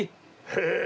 へえ！